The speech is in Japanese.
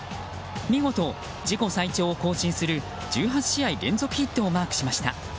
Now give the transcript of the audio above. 見事、自己最長を更新する１８試合連続ヒットをマークしました。